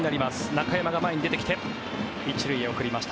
中山が前に出てきて１塁へ送りました。